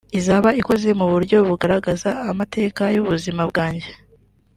Izaba ikoze mu buryo bugaragaza amateka y’ubuzima bwanjye